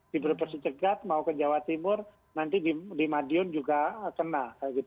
di bebes di cegat mau ke jawa timur nanti di madiun juga kena